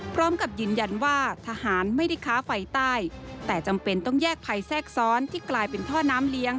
พร้อมกับยืนยันว่าทหารไม่ได้ค้าไฟใต้แต่จำเป็นต้องแยกภัยแทรกซ้อนที่กลายเป็นท่อน้ำเลี้ยง